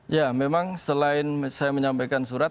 ya memang selain saya menyampaikan surat